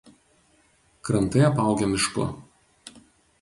Krantai apaugę mišku.